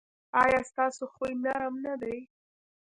ایا ستاسو خوی نرم نه دی؟